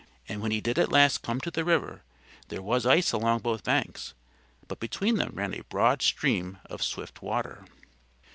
And when he did at last come to the river there was ice along both banks; but between them ran a broad stream of swift water.